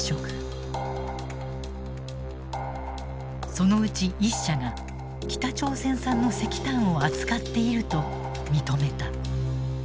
そのうち１社が北朝鮮産の石炭を扱っていると認めた。